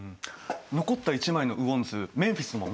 残った一枚の雨温図メンフィスも見てみよう。